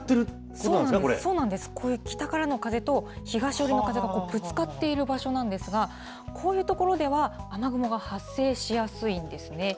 そうなんです、そうなんです、この北からの風と、東寄りの風とぶつかっている場所なんですが、こういう所では、雨雲が発生しやすいんですね。